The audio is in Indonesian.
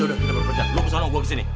ya udah kita berperjan lo kesana gue kesini